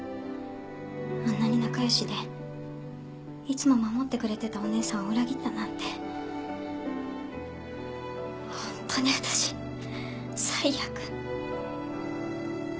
あんなに仲良しでいつも守ってくれてたお姉さんを裏切ったなんてホントに私最悪。